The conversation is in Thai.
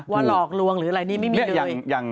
หลอกลวงหรืออะไรนี่ไม่มี